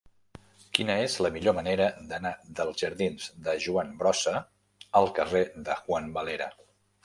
Quina és la millor manera d'anar dels jardins de Joan Brossa al carrer de Juan Valera?